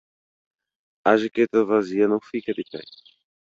A jaqueta vazia não fica em pé.